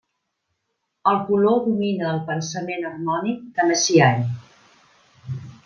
El color domina el pensament harmònic de Messiaen.